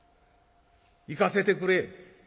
行かせてくれ」。